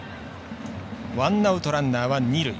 ワンアウト、ランナーは二塁。